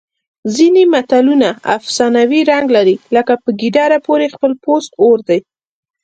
ځینې متلونه افسانوي رنګ لري لکه په ګیدړې پورې خپل پوست اور دی